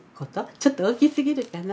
ちょっと大きすぎるかな？